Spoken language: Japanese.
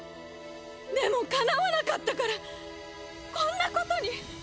でも敵わなかったからこんな事に！